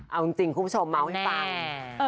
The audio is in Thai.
เอาจริงคุณผู้ชมเมาส์ให้ฟัง